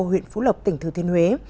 huyện phú lộc tỉnh thứ thiên huế